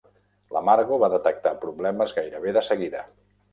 La Margo va detectar problemes gairebé de seguida.